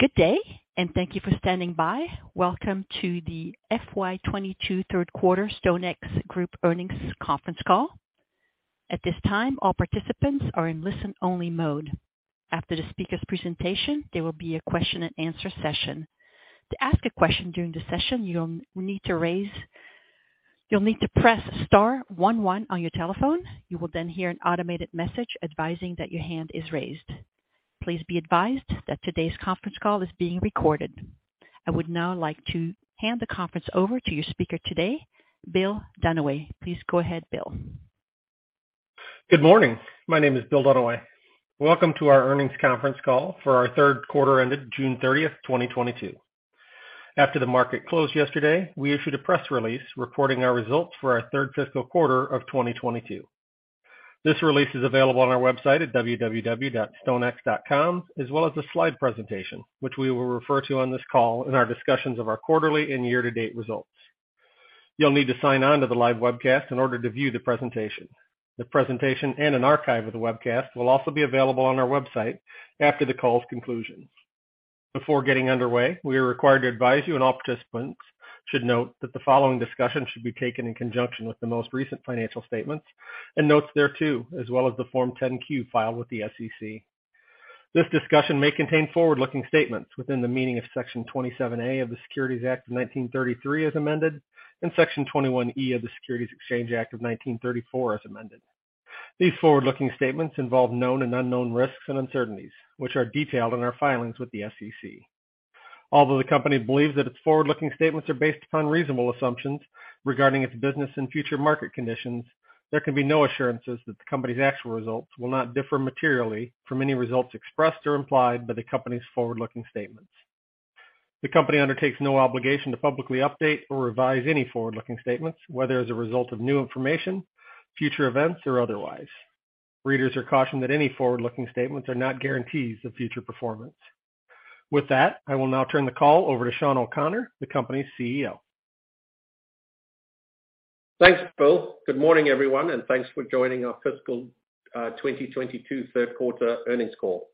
Good day, and thank you for standing by. Welcome to the FY 2022 third quarter StoneX Group earnings conference call. At this time, all participants are in listen-only mode. After the speaker's presentation, there will be a question-and-answer session. To ask a question during the session, you'll need to press star one one on your telephone. You will then hear an automated message advising that your hand is raised. Please be advised that today's conference call is being recorded. I would now like to hand the conference over to your speaker today, Bill Dunaway. Please go ahead, Bill. Good morning. My name is Bill Dunaway. Welcome to our earnings conference call for our third quarter ended June 30, 2022. After the market closed yesterday, we issued a press release reporting our results for our third fiscal quarter of 2022. This release is available on our website at www.stonex.com, as well as a slide presentation, which we will refer to on this call in our discussions of our quarterly and year-to-date results. You'll need to sign on to the live webcast in order to view the presentation. The presentation and an archive of the webcast will also be available on our website after the call's conclusion. Before getting underway, we are required to advise you, and all participants should note that the following discussion should be taken in conjunction with the most recent financial statements and notes thereto, as well as the Form 10-Q filed with the SEC. This discussion may contain forward-looking statements within the meaning of Section 27A of the Securities Act of 1933 as amended, and Section 21E of the Securities Exchange Act of 1934 as amended. These forward-looking statements involve known and unknown risks and uncertainties, which are detailed in our filings with the SEC. Although the company believes that its forward-looking statements are based upon reasonable assumptions regarding its business and future market conditions, there can be no assurances that the company's actual results will not differ materially from any results expressed or implied by the company's forward-looking statements. The company undertakes no obligation to publicly update or revise any forward-looking statements, whether as a result of new information, future events, or otherwise. Readers are cautioned that any forward-looking statements are not guarantees of future performance. With that, I will now turn the call over to Sean O'Connor, the company's CEO. Thanks, Bill. Good morning, everyone, and thanks for joining our fiscal 2022 third quarter earnings call.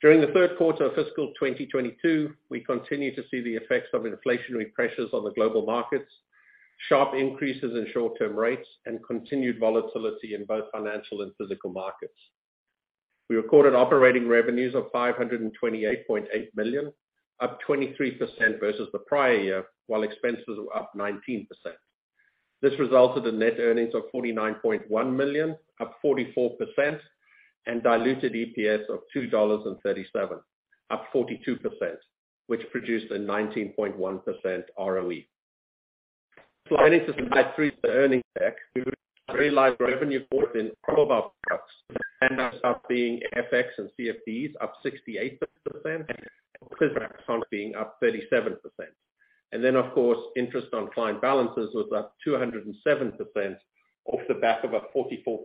During the third quarter of fiscal 2022, we continued to see the effects of inflationary pressures on the global markets, sharp increases in short-term rates, and continued volatility in both financial and physical markets. We recorded operating revenues of $528.8 million, up 23% versus the prior year, while expenses were up 19%. This resulted in net earnings of $49.1 million, up 44%, and diluted EPS of $2.37, up 42%, which produced a 19.1% ROE. Sliding to slide three of the earnings deck, we realized revenue growth in all of our products, standouts being FX and CFDs up 68%, and commercial being up 37%. Of course, interest on client balances was up 207% off the back of a 44%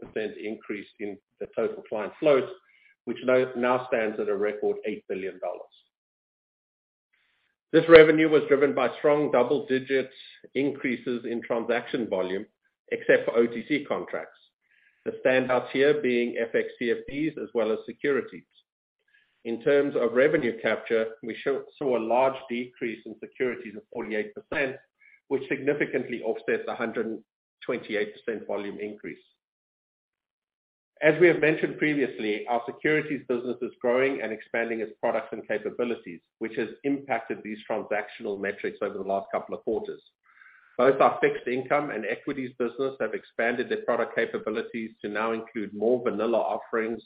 increase in the total client float, which now stands at a record $8 billion. This revenue was driven by strong double-digit increases in transaction volume, except for OTC contracts. The standouts here being FX CFDs as well as securities. In terms of revenue capture, we saw a large decrease in securities of 48%, which significantly offsets a 128% volume increase. As we have mentioned previously, our securities business is growing and expanding its products and capabilities, which has impacted these transactional metrics over the last couple of quarters. Both our fixed income and equities business have expanded their product capabilities to now include more vanilla offerings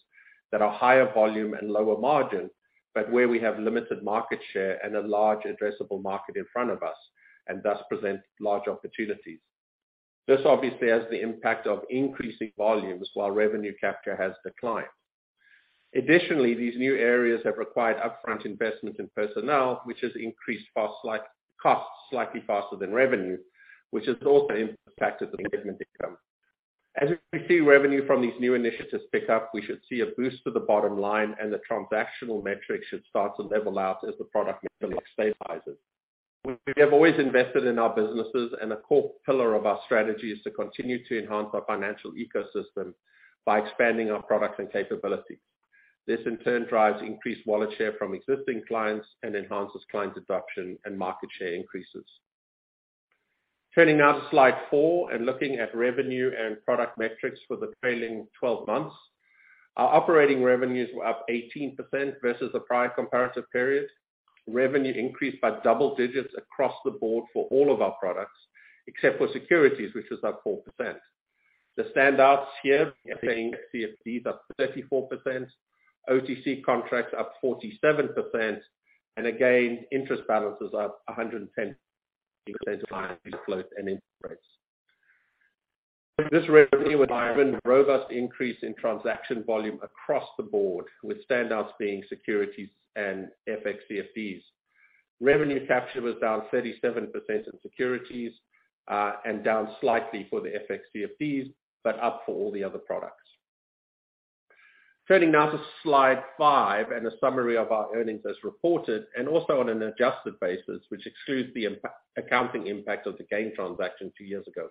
that are higher volume and lower margin, but where we have limited market share and a large addressable market in front of us, and thus present large opportunities. This obviously has the impact of increasing volumes while revenue capture has declined. Additionally, these new areas have required upfront investment in personnel, which has increased fixed costs slightly faster than revenue, which has also impacted the margin. As we see revenue from these new initiatives pick up, we should see a boost to the bottom line and the transactional metrics should start to level out as the product stabilizes. We have always invested in our businesses and a core pillar of our strategy is to continue to enhance our financial ecosystem by expanding our products and capabilities. This in turn drives increased wallet share from existing clients and enhances client adoption and market share increases. Turning now to slide four and looking at revenue and product metrics for the trailing 12 months. Our operating revenues were up 18% versus the prior comparative period. Revenue increased by double digits across the board for all of our products, except for securities, which was up 4%. The standouts here being CFDs up 34%, OTC contracts up 47%. Again, interest balances up 110% float and interest rates. This revenue environment, robust increase in transaction volume across the board, with standouts being securities and FX CFDs. Revenue capture was down 37% in securities, and down slightly for the FX CFDs, but up for all the other products. Turning now to slide five and a summary of our earnings as reported and also on an adjusted basis, which excludes the accounting impact of the GAIN transaction two years ago.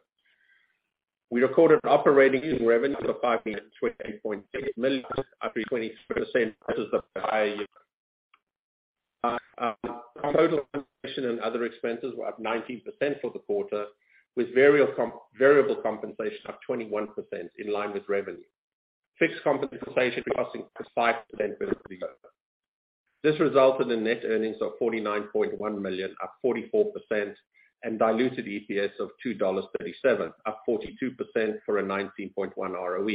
We recorded operating revenue of $520.6 million, up 23% versus the prior year. Total commission and other expenses were up 19% for the quarter, with variable compensation up 21% in line with revenue. Fixed compensation costing us 5% versus the year. This resulted in net earnings of $49.1 million, up 44%, and diluted EPS of $2.37, up 42% for a 19.1 ROE.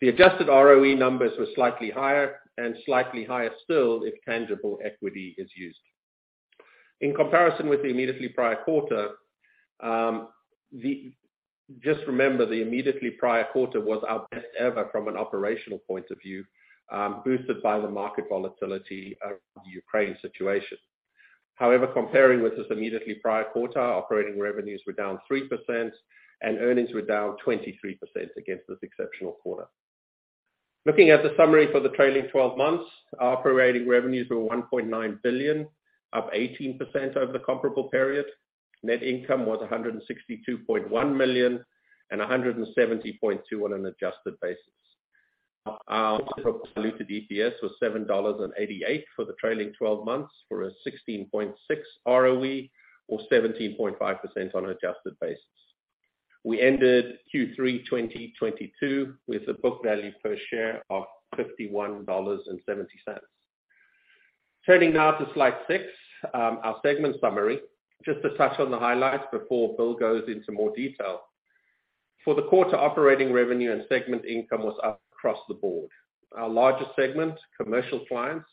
The adjusted ROE numbers were slightly higher and slightly higher still if tangible equity is used. In comparison with the immediately prior quarter, just remember, the immediately prior quarter was our best ever from an operational point of view, boosted by the market volatility of the Ukraine situation. However, comparing with this immediately prior quarter, operating revenues were down 3% and earnings were down 23% against this exceptional quarter. Looking at the summary for the trailing twelve months, our operating revenues were $1.9 billion, up 18% over the comparable period. Net income was $162.1 million and $170.2 million on an adjusted basis. Our diluted EPS was $7.88 for the trailing twelve months, for a 16.6 ROE or 17.5% on an adjusted basis. We ended Q3 2022 with a book value per share of $51.70. Turning now to slide six, our segment summary. Just to touch on the highlights before Bill goes into more detail. For the quarter, operating revenue and segment income was up across the board. Our largest segment, commercial clients,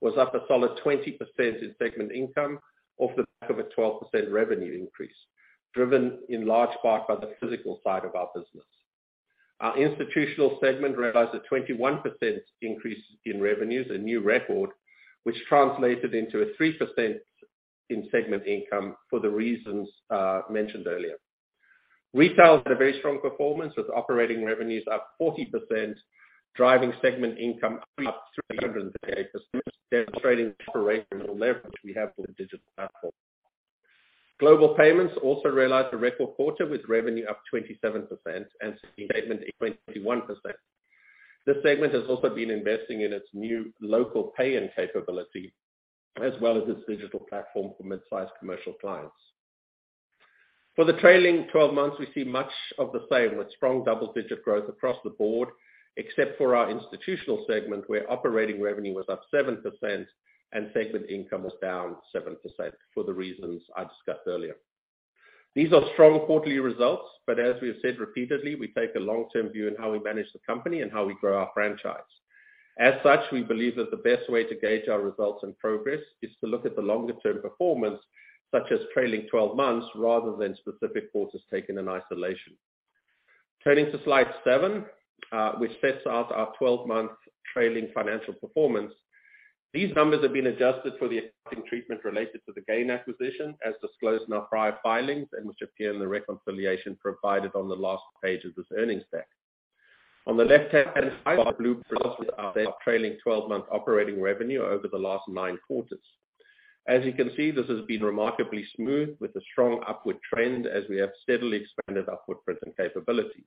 was up a solid 20% in segment income off the back of a 12% revenue increase, driven in large part by the physical side of our business. Our institutional segment realized a 21% increase in revenues, a new record, which translated into a 3% increase in segment income for the reasons mentioned earlier. Retail had a very strong performance, with operating revenues up 40%, driving segment income up 338%, demonstrating the operational leverage we have with the digital platform. Global Payments also realized a record quarter, with revenue up 27% and segment income 21%. This segment has also been investing in its new local pay-in capability as well as its digital platform for mid-sized commercial clients. For the trailing 12 months, we see much of the same, with strong double-digit growth across the board, except for our institutional segment, where operating revenue was up 7% and segment income was down 7% for the reasons I discussed earlier. These are strong quarterly results, but as we have said repeatedly, we take a long-term view in how we manage the company and how we grow our franchise. As such, we believe that the best way to gauge our results and progress is to look at the longer-term performance, such as trailing twelve months, rather than specific quarters taken in isolation. Turning to slide 7, which sets out our twelve-month trailing financial performance. These numbers have been adjusted for the accounting treatment related to the GAIN Capital acquisition, as disclosed in our prior filings, and which appear in the reconciliation provided on the last page of this earnings deck. On the left-hand side, our blue bars show our trailing twelve-month operating revenue over the last nine quarters. As you can see, this has been remarkably smooth with a strong upward trend as we have steadily expanded our footprint and capabilities.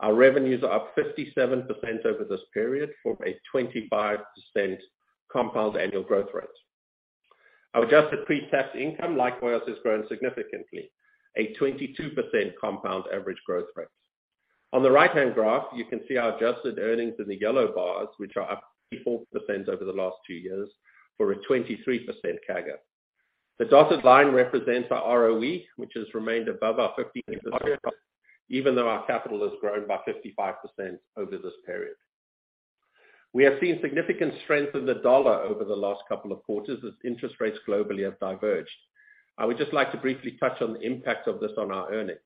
Our revenues are up 57% over this period for a 25% compound annual growth rate. Our adjusted pre-tax income, likewise, has grown significantly, a 22% compound average growth rate. On the right-hand graph, you can see our adjusted earnings in the yellow bars, which are up 54% over the last two years for a 23% CAGR. The dotted line represents our ROE, which has remained above our 50-year target, even though our capital has grown by 55% over this period. We have seen significant strength in the dollar over the last couple of quarters as interest rates globally have diverged. I would just like to briefly touch on the impact of this on our earnings.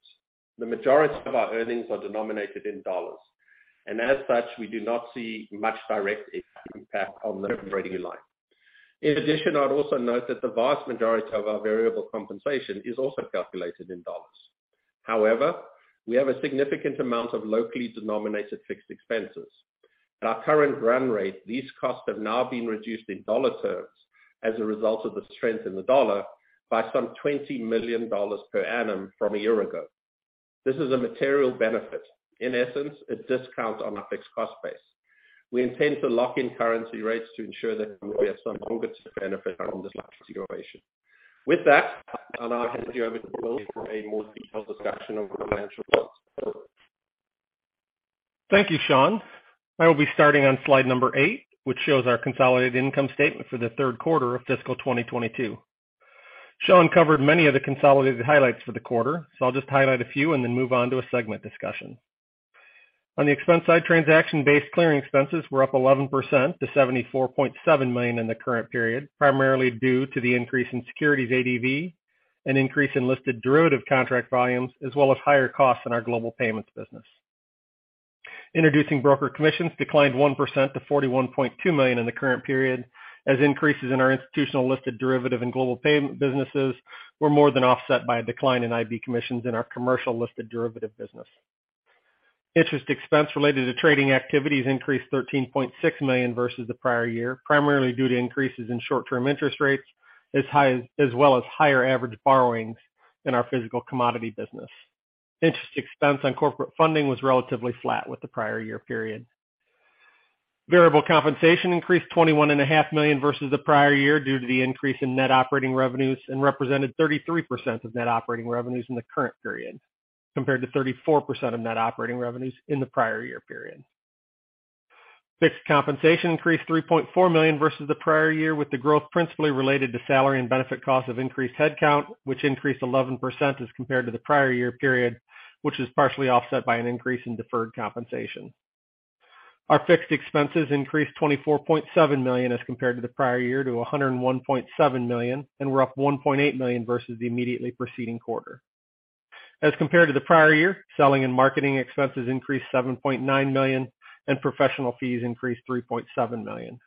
The majority of our earnings are denominated in dollars, and as such, we do not see much direct impact on the operating line. In addition, I'd also note that the vast majority of our variable compensation is also calculated in dollars. However, we have a significant amount of locally denominated fixed expenses. At our current run rate, these costs have now been reduced in dollar terms as a result of the strength in the dollar by some $20 million per annum from a year ago. This is a material benefit. In essence, a discount on our fixed cost base. We intend to lock in currency rates to ensure that we have some longer-term benefit from this situation. With that, I'll now hand you over to Bill for a more detailed discussion of our financial results. Bill? Thank you, Sean. I will be starting on slide number eight, which shows our consolidated income statement for the third quarter of fiscal 2022. Sean covered many of the consolidated highlights for the quarter, so I'll just highlight a few and then move on to a segment discussion. On the expense side, transaction-based clearing expenses were up 11% to $74.7 million in the current period, primarily due to the increase in securities ADV, an increase in listed derivative contract volumes, as well as higher costs in our global payments business. Introducing broker commissions declined 1% to $41.2 million in the current period, as increases in our institutional listed derivative and global payment businesses were more than offset by a decline in IB commissions in our commercial listed derivative business. Interest expense related to trading activities increased $13.6 million versus the prior year, primarily due to increases in short-term interest rates, as well as higher average borrowings in our physical commodity business. Interest expense on corporate funding was relatively flat with the prior year period. Variable compensation increased $21.5 million versus the prior year due to the increase in net operating revenues and represented 33% of net operating revenues in the current period, compared to 34% of net operating revenues in the prior year period. Fixed compensation increased $3.4 million versus the prior year, with the growth principally related to salary and benefit costs of increased headcount, which increased 11% as compared to the prior year period, which was partially offset by an increase in deferred compensation. Our fixed expenses increased $24.7 million as compared to the prior year to $101.7 million, and were up $1.8 million versus the immediately preceding quarter. As compared to the prior year, selling and marketing expenses increased $7.9 million, and professional fees increased $3.7 million.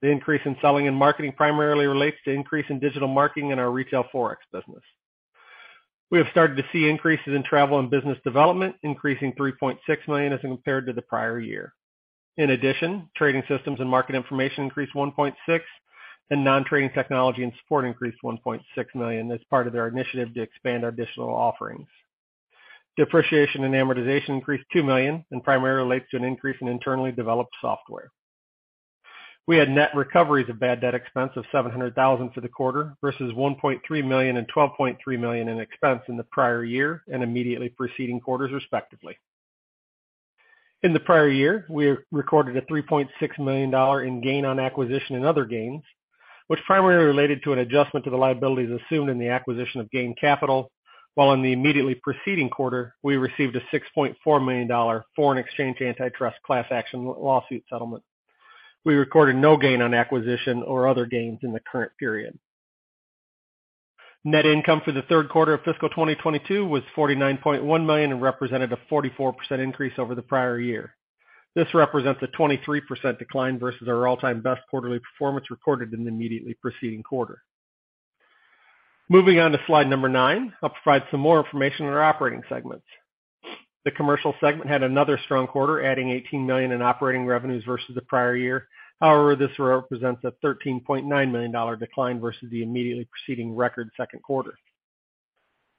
The increase in selling and marketing primarily relates to increase in digital marketing in our retail Forex business. We have started to see increases in travel and business development, increasing $3.6 million as compared to the prior year. Trading systems and market information increased $1.6 million, and non-trading technology and support increased $1.6 million as part of their initiative to expand our digital offerings. Depreciation and amortization increased $2 million and primarily relates to an increase in internally developed software. We had net recoveries of bad debt expense of $700,000 for the quarter versus $1.3 million and $12.3 million in expense in the prior year and immediately preceding quarters, respectively. In the prior year, we recorded a $3.6 million gain on acquisition and other gains, which primarily related to an adjustment to the liabilities assumed in the acquisition of GAIN Capital, while in the immediately preceding quarter, we received a $6.4 million foreign exchange antitrust class action lawsuit settlement. We recorded no gain on acquisition or other gains in the current period. Net income for the third quarter of fiscal 2022 was $49.1 million and represented a 44% increase over the prior year. This represents a 23% decline versus our all-time best quarterly performance recorded in the immediately preceding quarter. Moving on to slide nine, I'll provide some more information on our operating segments. The commercial segment had another strong quarter, adding $18 million in operating revenues versus the prior year. However, this represents a $13.9 million decline versus the immediately preceding record second quarter.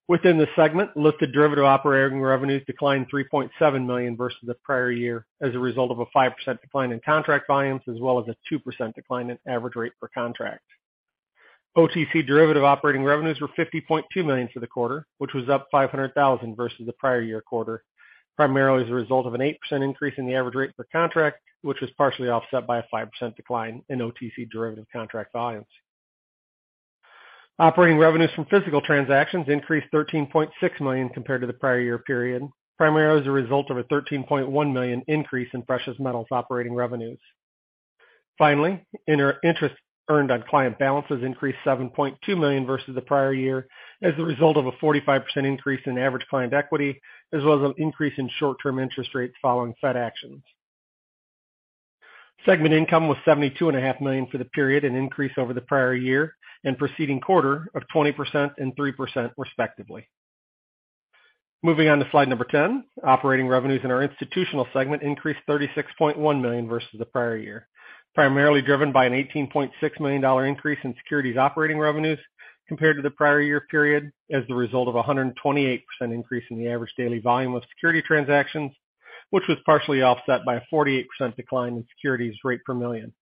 Within the segment, listed derivative operating revenues declined $3.7 million versus the prior year as a result of a 5% decline in contract volumes as well as a 2% decline in average rate per contract. OTC derivative operating revenues were $50.2 million for the quarter, which was up $500,000 versus the prior year quarter, primarily as a result of an 8% increase in the average rate per contract, which was partially offset by a 5% decline in OTC derivative contract volumes. Operating revenues from physical transactions increased $13.6 million compared to the prior year period, primarily as a result of a $13.1 million increase in precious metals operating revenues. Finally, interest earned on client balances increased $7.2 million versus the prior year as a result of a 45% increase in average client equity as well as an increase in short-term interest rates following Fed actions. Segment income was $72.5 million for the period, an increase over the prior year and preceding quarter of 20% and 3%, respectively. Moving on to slide 10. Operating revenues in our institutional segment increased $36.1 million versus the prior year, primarily driven by a $18.6 million increase in securities operating revenues compared to the prior year period as a result of a 128% increase in the average daily volume of securities transactions, which was partially offset by a 48% decline in securities rate per million.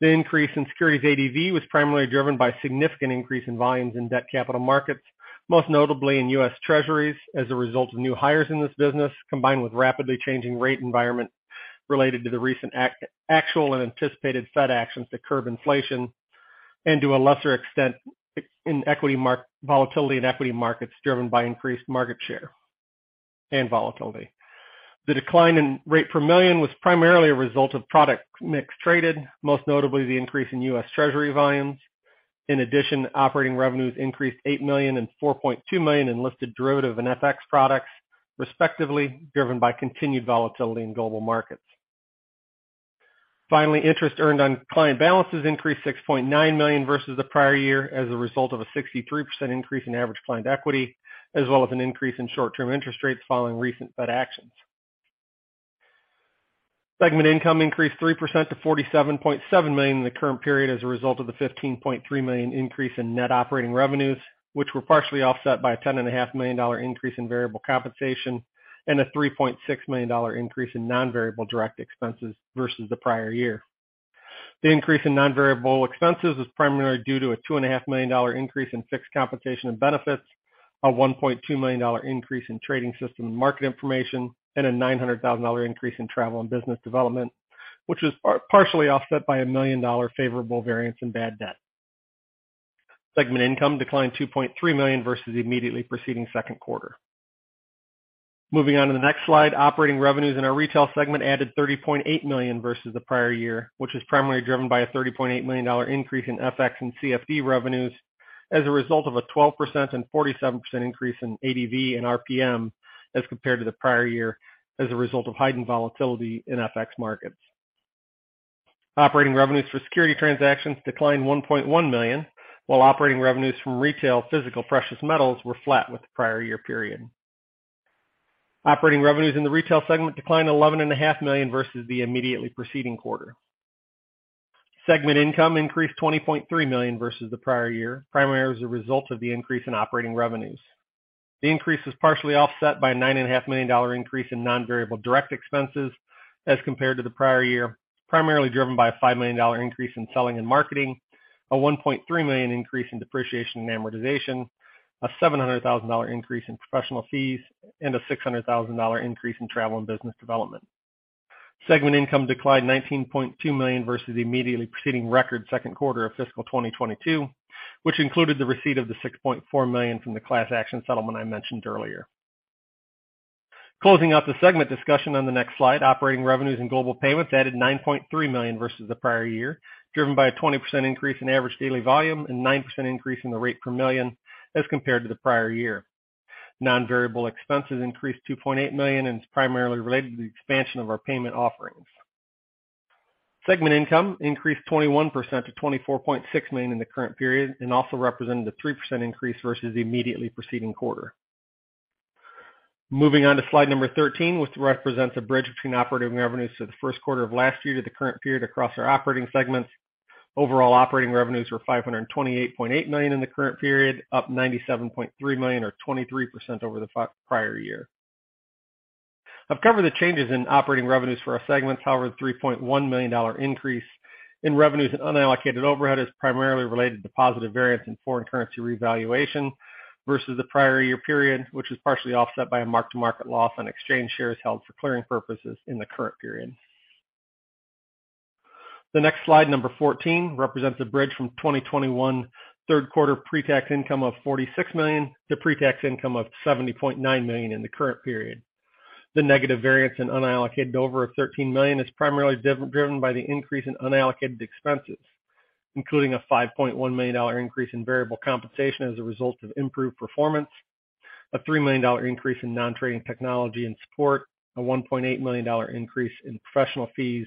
The increase in securities ADV was primarily driven by a significant increase in volumes in debt capital markets, most notably in U.S. Treasuries as a result of new hires in this business, combined with rapidly changing rate environment related to the recent actual and anticipated Fed actions to curb inflation, and, to a lesser extent, equity market volatility in equity markets driven by increased market share and volatility. The decline in rate per million was primarily a result of product mix traded, most notably the increase in U.S. Treasuries volumes. Operating revenues increased $8 million and $4.2 million in listed derivative and FX products, respectively, driven by continued volatility in global markets. Interest earned on client balances increased $6.9 million versus the prior year as a result of a 63% increase in average client equity, as well as an increase in short-term interest rates following recent Fed actions. Segment income increased 3% to $47.7 million in the current period as a result of the $15.3 million increase in net operating revenues, which were partially offset by a $10.5 million increase in variable compensation and a $3.6 million increase in non-variable direct expenses versus the prior year. The increase in non-variable expenses was primarily due to a $2.5 million increase in fixed compensation and benefits, a $1.2 million increase in trading system market information, and a $900 thousand increase in travel and business development, which was partially offset by a $1 million favorable variance in bad debt. Segment income declined $2.3 million versus the immediately preceding second quarter. Moving on to the next slide. Operating revenues in our retail segment added $30.8 million versus the prior year, which was primarily driven by a $30.8 million increase in FX and CFD revenues as a result of a 12% and 47% increase in ADV and RPM as compared to the prior year as a result of heightened volatility in FX markets. Operating revenues for security transactions declined $1.1 million, while operating revenues from retail physical precious metals were flat with the prior year period. Operating revenues in the retail segment declined $11.5 million versus the immediately preceding quarter. Segment income increased $20.3 million versus the prior year, primarily as a result of the increase in operating revenues. The increase was partially offset by a $9.5 million increase in non-variable direct expenses as compared to the prior year, primarily driven by a $5 million increase in selling and marketing, a $1.3 million increase in depreciation and amortization, a $700,000 increase in professional fees, and a $600,000 increase in travel and business development. Segment income declined $19.2 million versus the immediately preceding record second quarter of fiscal 2022, which included the receipt of the $6.4 million from the class action settlement I mentioned earlier. Closing out the segment discussion on the next slide, operating revenues and global payments added $9.3 million versus the prior year, driven by a 20% increase in average daily volume and 9% increase in the rate per million as compared to the prior year. Non-variable expenses increased $2.8 million, and it's primarily related to the expansion of our payment offerings. Segment income increased 21% to $24.6 million in the current period and also represented a 3% increase versus the immediately preceding quarter. Moving on to slide 13, which represents a bridge between operating revenues to the first quarter of last year to the current period across our operating segments. Overall operating revenues were $528.8 million in the current period, up $97.3 million or 23% over the prior year. I've covered the changes in operating revenues for our segments. However, the $3.1 million increase in revenues and unallocated overhead is primarily related to positive variance in foreign currency revaluation versus the prior year period, which is partially offset by a mark-to-market loss on exchange shares held for clearing purposes in the current period. The next slide, number 14, represents a bridge from 2021 third quarter pre-tax income of $46 million to pre-tax income of $70.9 million in the current period. The negative variance in unallocated over of $13 million is primarily driven by the increase in unallocated expenses, including a $5.1 million increase in variable compensation as a result of improved performance, a $3 million increase in non-trading technology and support, a $1.8 million increase in professional fees,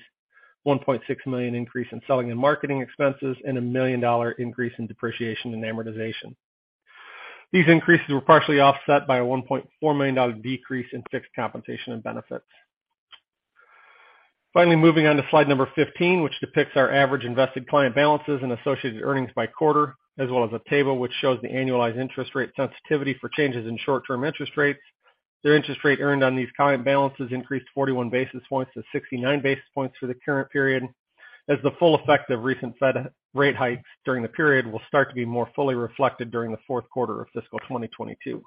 $1.6 million increase in selling and marketing expenses, and a $1 million increase in depreciation and amortization. These increases were partially offset by a $1.4 million decrease in fixed compensation and benefits. Finally, moving on to slide number 15, which depicts our average invested client balances and associated earnings by quarter, as well as a table which shows the annualized interest rate sensitivity for changes in short-term interest rates. Their interest rate earned on these client balances increased 41 basis points to 69 basis points for the current period, as the full effect of recent Fed rate hikes during the period will start to be more fully reflected during the fourth quarter of fiscal 2022.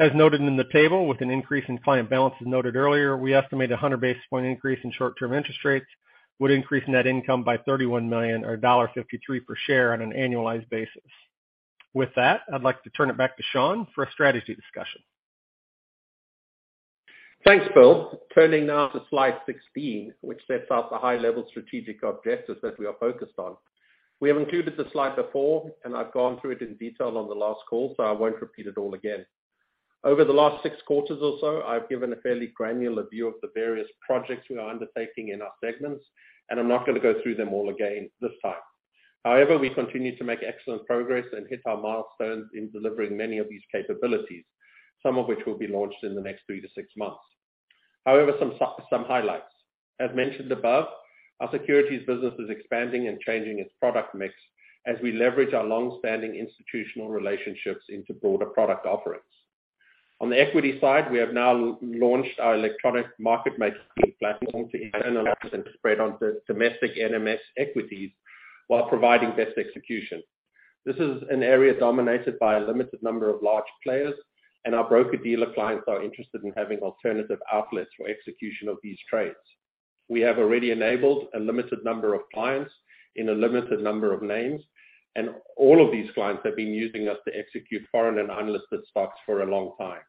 As noted in the table, with an increase in client balances noted earlier, we estimate a 100 basis point increase in short-term interest rates would increase net income by $31 million or $1.53 per share on an annualized basis. With that, I'd like to turn it back to Sean for a strategy discussion. Thanks, Bill. Turning now to slide 16, which sets out the high-level strategic objectives that we are focused on. We have included the slide before, and I've gone through it in detail on the last call, so I won't repeat it all again. Over the last six quarters or so, I've given a fairly granular view of the various projects we are undertaking in our segments, and I'm not gonna go through them all again this time. However, we continue to make excellent progress and hit our milestones in delivering many of these capabilities, some of which will be launched in the next three-six months. However, some highlights. As mentioned above, our securities business is expanding and changing its product mix as we leverage our long-standing institutional relationships into broader product offerings. On the equity side, we have now launched our electronic market making platform to internalize and spread on domestic NMS equities while providing best execution. This is an area dominated by a limited number of large players, and our broker-dealer clients are interested in having alternative outlets for execution of these trades. We have already enabled a limited number of clients in a limited number of names, and all of these clients have been using us to execute foreign and unlisted stocks for a long time.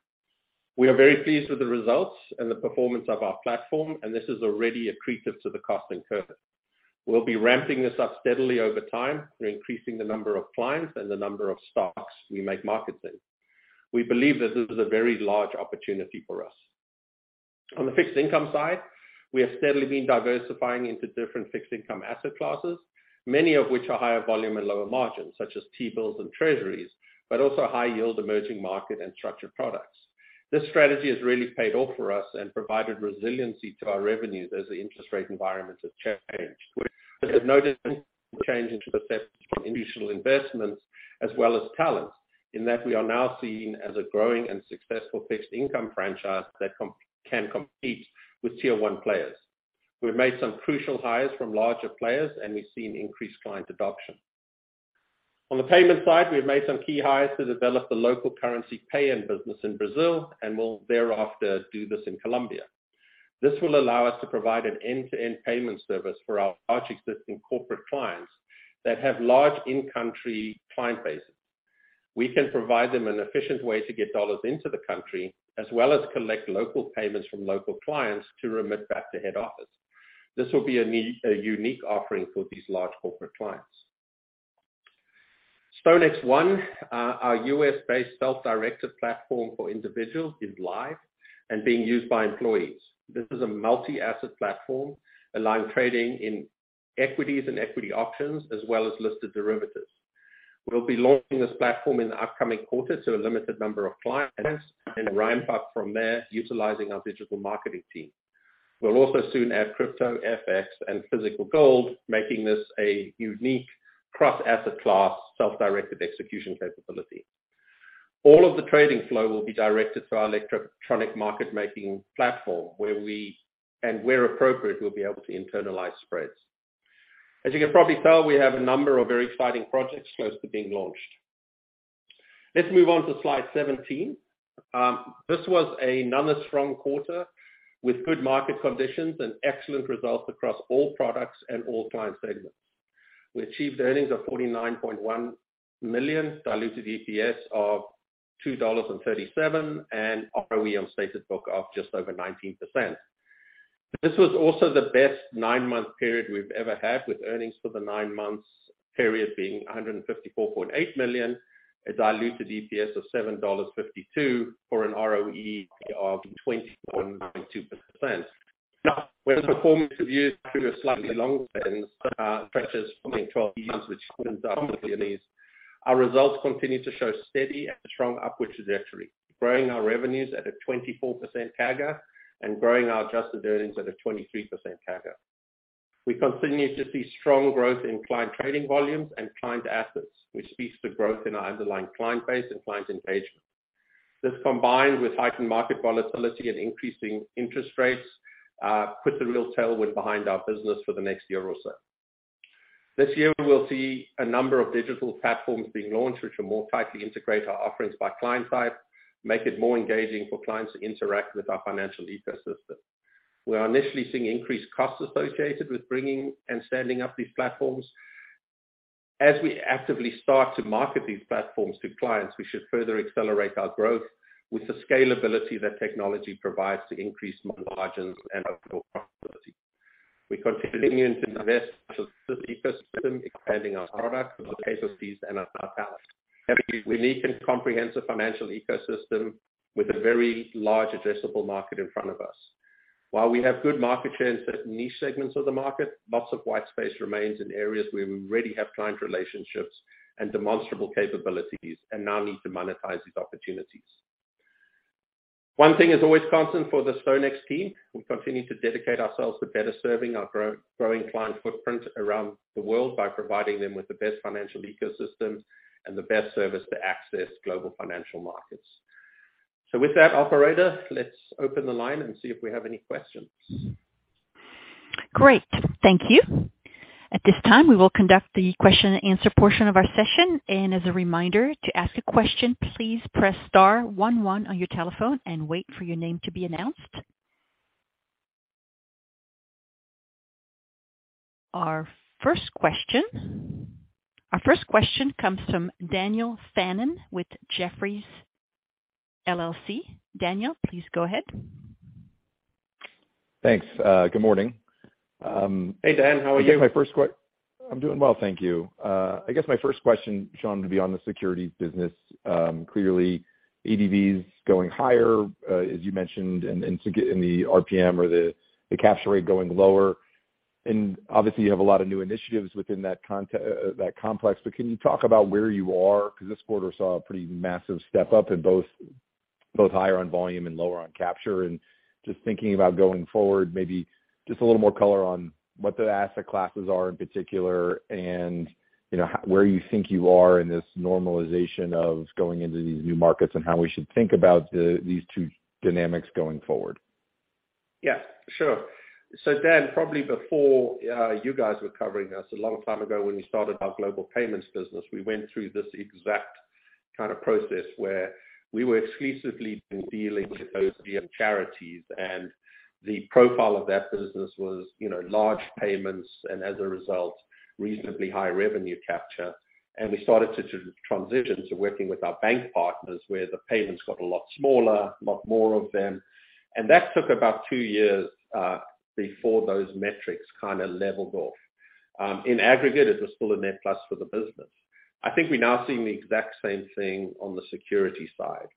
We are very pleased with the results and the performance of our platform, and this is already accretive to the cost curve. We'll be ramping this up steadily over time. We're increasing the number of clients and the number of stocks we make markets in. We believe that this is a very large opportunity for us. On the fixed income side, we have steadily been diversifying into different fixed income asset classes, many of which are higher volume and lower margins, such as T-bills and Treasuries, but also high-yield emerging-market and structured products. This strategy has really paid off for us and provided resiliency to our revenues as the interest rate environments have changed. We have noticed influx into the desk from institutional investors as well as talent in that we are now seen as a growing and successful fixed income franchise that can compete with tier one players. We've made some crucial hires from larger players, and we've seen increased client adoption. On the payment side, we've made some key hires to develop the local currency pay-in business in Brazil and will thereafter do this in Colombia. This will allow us to provide an end-to-end payment service for our large existing corporate clients that have large in-country client bases. We can provide them an efficient way to get dollars into the country, as well as collect local payments from local clients to remit back to head office. This will be a unique offering for these large corporate clients. StoneX One, our U.S.-based self-directed platform for individuals is live and being used by employees. This is a multi-asset platform allowing trading in equities and equity options as well as listed derivatives. We'll be launching this platform in the upcoming quarter to a limited number of clients and ramp up from there utilizing our digital marketing team. We'll also soon add crypto, FX, and physical gold, making this a unique cross-asset class self-directed execution capability. All of the trading flow will be directed to our electronic market-making platform, where we, and where appropriate, we'll be able to internalize spreads. As you can probably tell, we have a number of very exciting projects close to being launched. Let's move on to slide 17. This was another strong quarter with good market conditions and excellent results across all products and all client segments. We achieved earnings of $49.1 million, diluted EPS of $2.37, and ROE on stated book of just over 19%. This was also the best nine-month period we've ever had, with earnings for the nine months period being $154.8 million, a diluted EPS of $7.52, for an ROE of 21.2%. Now, when performance is viewed through a slightly longer lens, such as coming twelve months, which our results continue to show steady and strong upward trajectory, growing our revenues at a 24% CAGR and growing our adjusted earnings at a 23% CAGR. We continue to see strong growth in client trading volumes and client assets, which speaks to growth in our underlying client base and client engagement. This, combined with heightened market volatility and increasing interest rates, puts a real tailwind behind our business for the next year or so. This year, we will see a number of digital platforms being launched, which will more tightly integrate our offerings by client type, make it more engaging for clients to interact with our financial ecosystem. We are initially seeing increased costs associated with bringing and standing up these platforms. As we actively start to market these platforms to clients, we should further accelerate our growth with the scalability that technology provides to increase margins and overall profitability. We continue to invest in the ecosystem, expanding our products, our capabilities and our. We need a comprehensive financial ecosystem with a very large addressable market in front of us. While we have good market share in certain niche segments of the market, lots of white space remains in areas where we already have client relationships and demonstrable capabilities and now need to monetize these opportunities. One thing is always constant for the StoneX team, we continue to dedicate ourselves to better serving our growing client footprint around the world by providing them with the best financial ecosystem and the best service to access global financial markets. With that, operator, let's open the line and see if we have any questions. Great. Thank you. At this time, we will conduct the question and answer portion of our session. As a reminder to ask a question, please press star one one on your telephone and wait for your name to be announced. Our first question comes from Daniel Fannon with Jefferies LLC. Daniel, please go ahead. Thanks. Good morning. Hey, Daniel. How are you? I'm doing well, thank you. I guess my first question, Sean, will be on the securities business. Clearly, ADVs going higher, as you mentioned, and so in the RPM or the capture rate going lower. Obviously, you have a lot of new initiatives within that context, that complex. But can you talk about where you are? Because this quarter saw a pretty massive step-up in both higher on volume and lower on capture. Just thinking about going forward, maybe just a little more color on what the asset classes are in particular and, you know, where you think you are in this normalization of going into these new markets and how we should think about these two dynamics going forward. Yeah, sure. Daniel, probably before you guys were covering us, a long time ago when we started our global payments business, we went through this exact kind of process where we were exclusively dealing with OPM charities. The profile of that business was, you know, large payments and as a result, reasonably high revenue capture. We started to transition to working with our bank partners, where the payments got a lot smaller, a lot more of them. That took about two years before those metrics kinda leveled off. In aggregate, it was still a net plus for the business. I think we're now seeing the exact same thing on the securities side.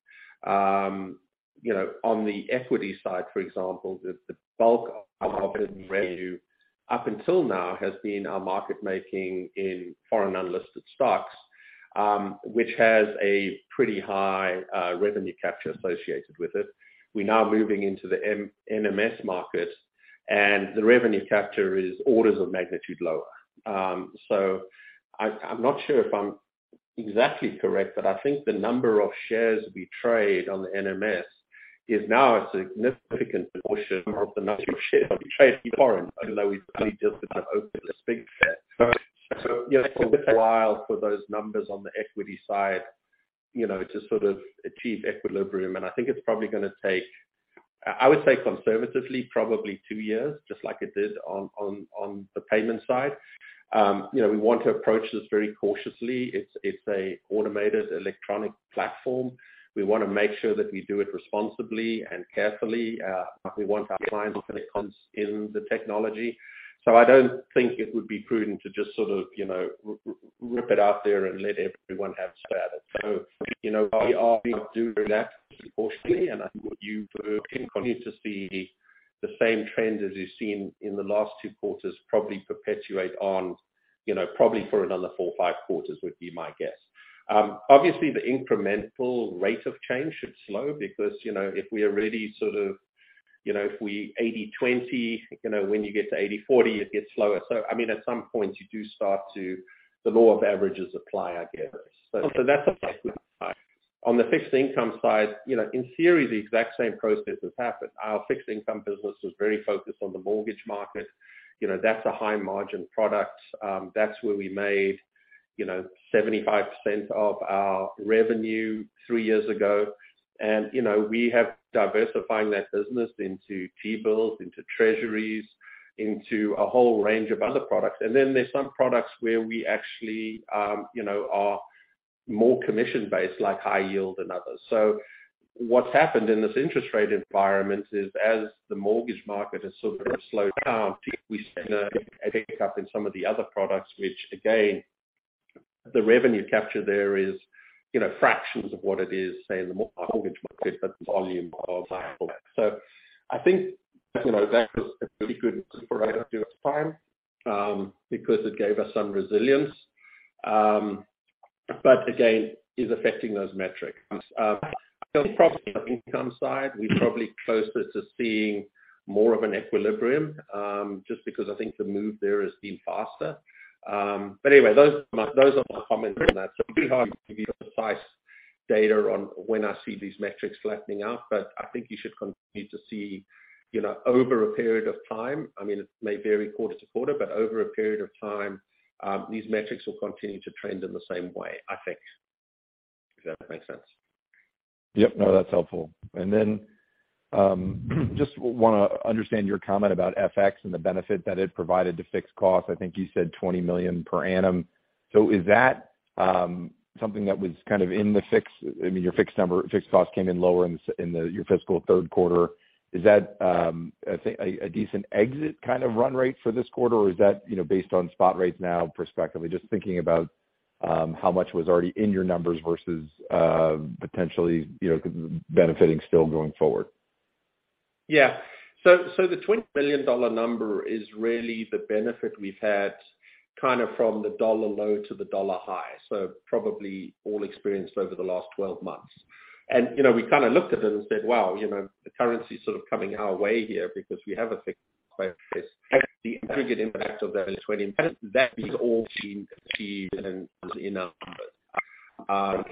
You know, on the equity side, for example, the bulk of our revenue up until now has been our market making in foreign unlisted stocks, which has a pretty high revenue capture associated with it. We're now moving into the NMS market, and the revenue capture is orders of magnitude lower. I'm not sure if I'm exactly correct, but I think the number of shares we trade on the NMS is now a significant portion of the number of shares we trade foreign, even though we've only just about opened the SPIC fair. It takes a bit while for those numbers on the equity side, you know, to sort of achieve equilibrium, and I think it's probably gonna take, I would say conservatively probably two years, just like it did on the payment side. You know, we want to approach this very cautiously. It's an automated electronic platform. We want to make sure that we do it responsibly and carefully. We want our clients' confidence in the technology. I don't think it would be prudent to just sort of, you know, roll it out there and let everyone have a stab at it. You know, we do roll out cautiously and I think what you will continue to see the same trend as you've seen in the last two quarters probably perpetuate on, you know, probably for another four or five quarters would be my guess. Obviously the incremental rate of change should slow because, you know, if we are really sort of, you know, if we 80/20, you know, when you get to 80/40 it gets slower. I mean, at some point you do start to. The law of averages apply, I guess. That's on the fixed income side, you know, in theory, the exact same process has happened. Our fixed income business was very focused on the mortgage market. You know, that's a high margin product. That's where we made, you know, 75% of our revenue three years ago. You know, we have diversifying that business into T-bills, into Treasuries, into a whole range of other products. Then there's some products where we actually, you know, are more commission-based, like high yield and others. What's happened in this interest rate environment is as the mortgage market has sort of slowed down, we see a pick up in some of the other products, which again, the revenue capture there is, you know, fractions of what it is, say, in the mortgage market, but volume all that. I think, you know, that was a pretty good use of time, because it gave us some resilience. Again, is affecting those metrics. Probably on the income side, we're probably closer to seeing more of an equilibrium, just because I think the move there has been faster. Anyway, those are my comments on that. It's hard to give you precise data on when I see these metrics flattening out, but I think you should continue to see, you know, over a period of time, I mean, it may vary quarter to quarter, but over a period of time, these metrics will continue to trend in the same way, I think. If that makes sense. Yep. No, that's helpful. Then just wanna understand your comment about FX and the benefit that it provided to fixed costs. I think you said $20 million per annum. Is that something that was kind of in the fixed? I mean, your fixed number, fixed costs came in lower in the your fiscal third quarter. Is that a decent exit kind of run rate for this quarter? Or is that, you know, based on spot rates now prospectively? Just thinking about how much was already in your numbers versus potentially, you know, could be benefiting still going forward. Yeah. The $20 million number is really the benefit we've had kind of from the dollar low to the dollar high. Probably all experienced over the last 12 months. You know, we kinda looked at it and said, "Wow, you know, the currency is sort of coming our way here because we have a fixed rate." The aggregate impact of those $20 million, that has all been achieved and is in our numbers.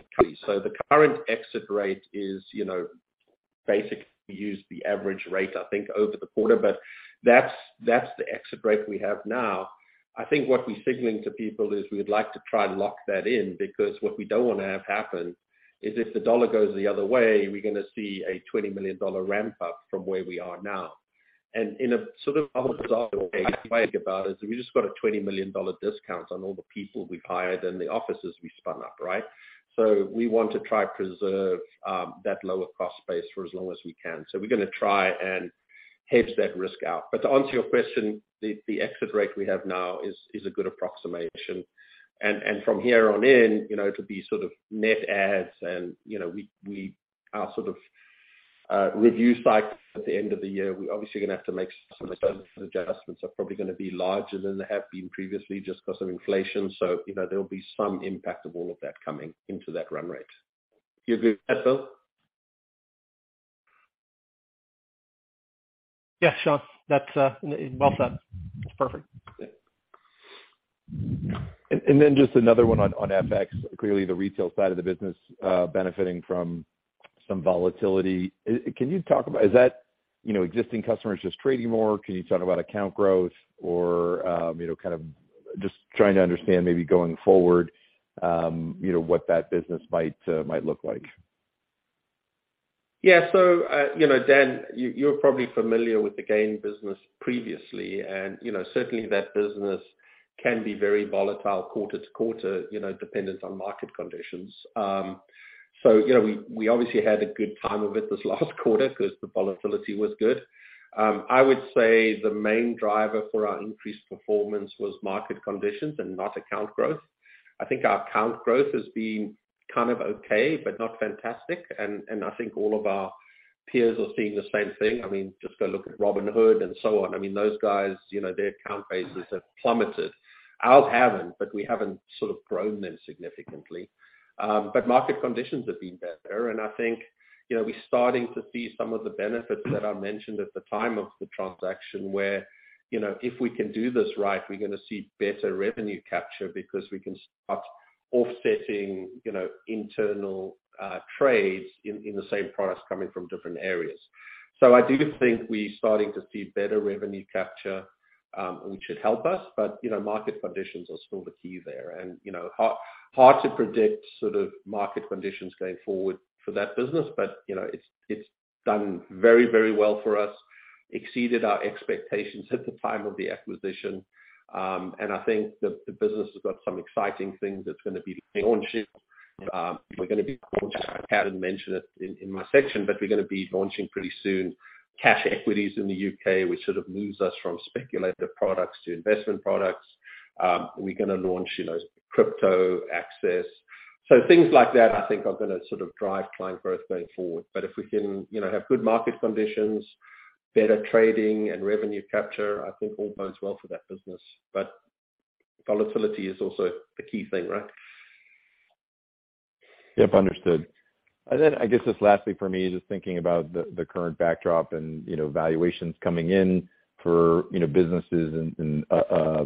The current exit rate is, you know, basically we use the average rate, I think, over the quarter, but that's the exit rate we have now. I think what we're signaling to people is we would like to try and lock that in because what we don't wanna have happen is if the dollar goes the other way, we're gonna see a $20 million ramp up from where we are now. In a sort of way to think about it, is we just got a $20 million discount on all the people we've hired and the offices we've spun up, right? We want to try to preserve that lower cost base for as long as we can. We're gonna try and hedge that risk out. To answer your question, the exit rate we have now is a good approximation. From here on in, you know, it'll be sort of net adds and, you know, we our sort of review cycle at the end of the year. We're obviously gonna have to make some adjustments are probably gonna be larger than they have been previously just because of inflation. You know, there'll be some impact of all of that coming into that run rate. You good with that, Bill? Yes, Sean. That's well said. It's perfect. Okay. Then just another one on FX. Clearly, the retail side of the business benefiting from some volatility. Can you talk about? Is that, you know, existing customers just trading more? Can you talk about account growth? Or, you know, kind of just trying to understand maybe going forward, you know, what that business might look like. Yeah. You know, Daniel, you're probably familiar with the GAIN Capital business previously, and you know, certainly that business can be very volatile quarter to quarter, you know, dependent on market conditions. You know, we obviously had a good time of it this last quarter because the volatility was good. I would say the main driver for our increased performance was market conditions and not account growth. I think our account growth has been kind of okay, but not fantastic. I think all of our peers are seeing the same thing. I mean, just go look at Robinhood and so on. I mean, those guys, you know, their account bases have plummeted. Ours haven't, but we haven't sort of grown them significantly. Market conditions have been better. I think, you know, we're starting to see some of the benefits that I mentioned at the time of the transaction where, you know, if we can do this right, we're gonna see better revenue capture because we can start offsetting, you know, internal trades in the same products coming from different areas. I do think we're starting to see better revenue capture, which should help us. Market conditions are still the key there. It's hard to predict sort of market conditions going forward for that business. It's done very well for us. Exceeded our expectations at the time of the acquisition. I think the business has got some exciting things that's gonna be launched. We're gonna be launching, I hadn't mentioned it in my section, but we're gonna be launching pretty soon cash equities in the U.K., which sort of moves us from speculative products to investment products. We're gonna launch, you know, crypto access. Things like that I think are gonna sort of drive client growth going forward. If we can, you know, have good market conditions, better trading and revenue capture, I think all bodes well for that business. Volatility is also a key thing, right? Yep, understood. I guess just lastly for me, just thinking about the current backdrop and, you know, valuations coming in for, you know, businesses and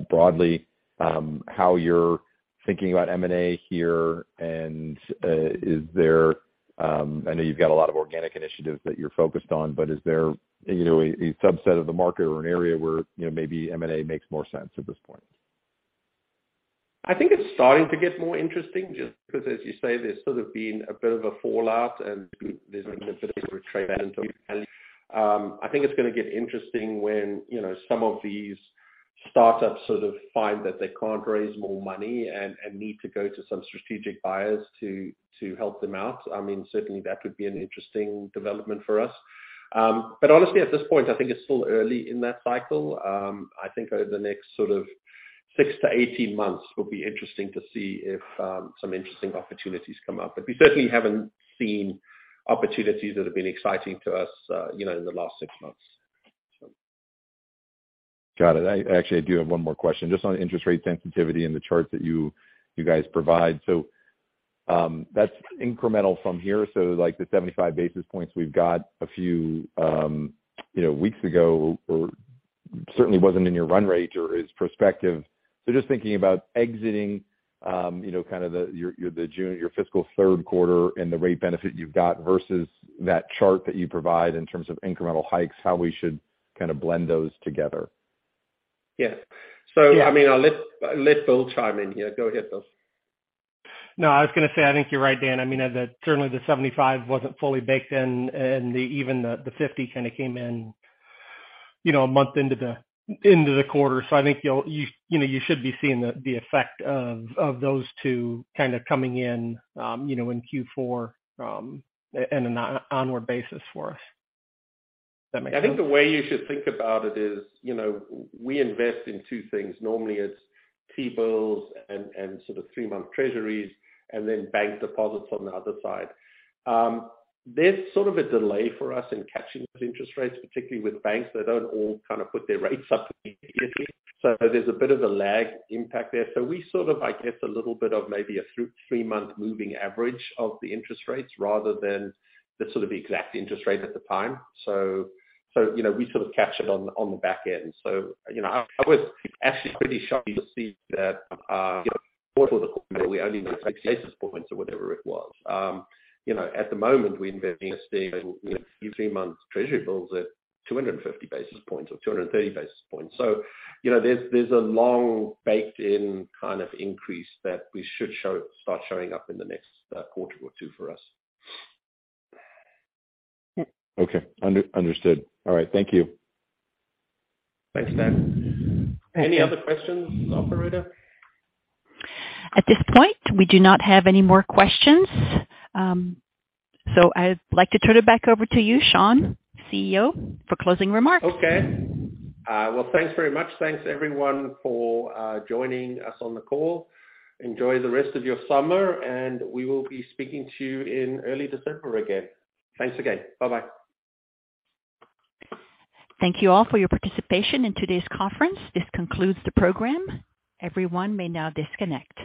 broadly, how you're thinking about M&A here and, is there, I know you've got a lot of organic initiatives that you're focused on, but is there, you know, a subset of the market or an area where, you know, maybe M&A makes more sense at this point? I think it's starting to get more interesting just because, as you say, there's sort of been a bit of a fallout and there's been a bit of a trade into value. I think it's gonna get interesting when, you know, some of these startups sort of find that they can't raise more money and need to go to some strategic buyers to help them out. I mean, certainly that would be an interesting development for us. Honestly, at this point, I think it's still early in that cycle. I think over the next sort of 6-18 months will be interesting to see if some interesting opportunities come up. We certainly haven't seen opportunities that have been exciting to us, you know, in the last six months. Got it. I actually do have one more question just on interest rate sensitivity and the charts that you guys provide. That's incremental from here. Like the 75 basis points we've got a few, you know, weeks ago or certainly wasn't in your run rate or is prospective. Just thinking about exiting, you know, kind of the June, your fiscal third quarter and the rate benefit you've got versus that chart that you provide in terms of incremental hikes, how we should kinda blend those together. Yeah. I mean, I'll let Bill chime in here. Go ahead, Bill. No, I was gonna say, I think you're right, Daniel. I mean, certainly the 75 wasn't fully baked in, and even the 50 kinda came in, you know, a month into the quarter. I think you know you should be seeing the effect of those two kinda coming in, you know, in Q4, and onward basis for us. Does that make sense? I think the way you should think about it is, you know, we invest in two things. Normally it's T-bills and sort of three-month Treasuries and then bank deposits on the other side. There's sort of a delay for us in catching those interest rates, particularly with banks. They don't all kind of put their rates up immediately. There's a bit of a lag impact there. We sort of, I guess, a little bit of maybe a three-month moving average of the interest rates rather than the sort of exact interest rate at the time. You know, we sort of catch it on the back end. You know, I was actually pretty shocked to see that, you know, quarter-over-quarter we only made 50 basis points or whatever it was. You know, at the moment, we're investing in, you know, three-month treasury bills at 250 basis points or 230 basis points. You know, there's a long baked-in kind of increase that we should start showing up in the next quarter or two for us. Yeah. Okay. Understood. All right. Thank you. Thanks, Dan. Any other questions, operator? At this point, we do not have any more questions. I'd like to turn it back over to you, Sean, CEO, for closing remarks. Okay. Well, thanks very much. Thanks everyone for joining us on the call. Enjoy the rest of your summer, and we will be speaking to you in early December again. Thanks again. Bye-bye. Thank you all for your participation in today's conference. This concludes the program. Everyone may now disconnect.